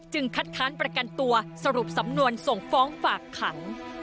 คัดค้านประกันตัวสรุปสำนวนส่งฟ้องฝากขัง